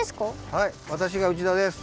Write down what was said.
はいわたしが内田です。